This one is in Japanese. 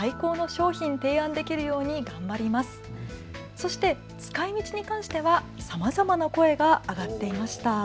そして使いみちに関してはさまざまな声が上がっていました。